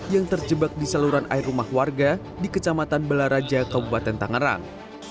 yang terjebak di saluran air rumah warga di kecamatan belaraja kabupaten tangerang